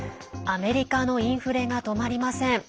アメリカのインフレが止まりません。